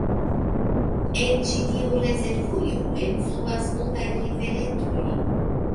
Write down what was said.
En ĉi tiu rezervujo enfluas multaj riveretoj.